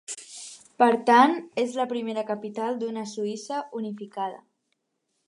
Per tant, és la primera capital d'una Suïssa unificada.